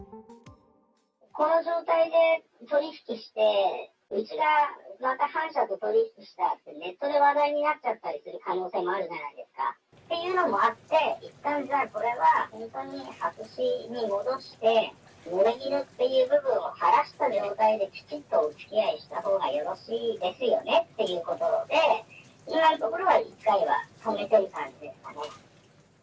この状態で取り引きして、うちが反社と取り引きしたとネットで話題になっちゃったりする可能性もあるじゃないですか、っていうのもあって、いったん、じゃあ、これは本当に白紙に戻して、ぬれぎぬっていう部分を晴らした状態できちっとおつきあいしたほうがよろしいですよねっていうことで、今のところはいったんは止めてる感じですかね。